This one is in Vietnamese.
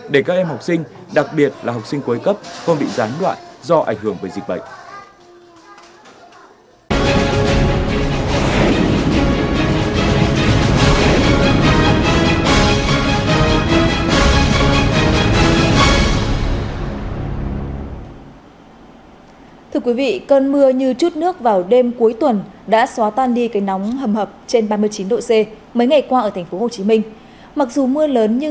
để các em học sinh đặc biệt là học sinh cuối cấp không bị gián loại do ảnh hưởng với dịch bệnh